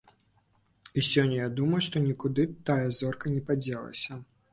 І сёння я думаю, што нікуды тая зорка не падзелася.